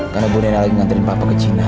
karena bu nena lagi nganterin papa ke cina